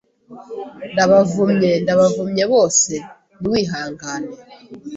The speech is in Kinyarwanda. Ndabavumye! Ndabavumye bose! Ni wihangane